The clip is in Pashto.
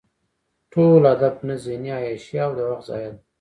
ټول ادب نه ذهني عیاشي او د وخت ضایع ده.